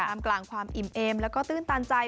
ตามกลางความอิ๋มเอมและก็ตื้นตาใจ